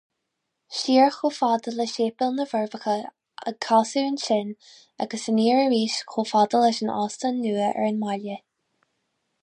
Siar chomh fada le Séipéal na bhForbacha, ag casadh ansin, agus aniar arís chomh fada leis an óstán nua ar an mbaile.